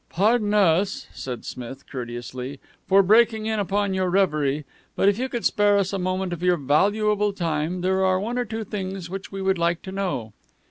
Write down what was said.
"Pardon us," said Smith courteously, "for breaking in upon your reverie, but if you could spare us a moment of your valuable time, there are one or two things which we would like to know."